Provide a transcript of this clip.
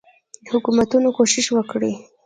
حکومتونه کوښښ وکړي.